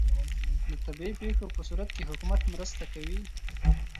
د طبیعي پیښو په صورت کې حکومت مرسته کوي؟